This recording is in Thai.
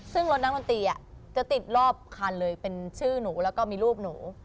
ซึ่งรถนักดนตรีจะติดรอบคันเลยเป็นชื่อหนูแล้วก็มีรูปหนู